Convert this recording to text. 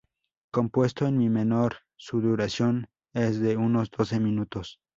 Compuesto en mi menor, su duración es de unos doce minutos.